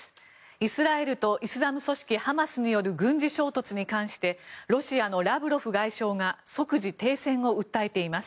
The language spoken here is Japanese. イスラエルとイスラム組織ハマスによる軍事衝突に関してロシアのラブロフ外相が即時停戦を訴えています。